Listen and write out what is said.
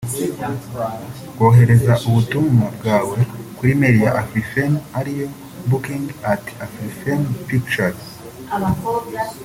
wohereza ubutumwa bwawe kuri e-mail ya Afrifame ariyo booking@afrifamepictures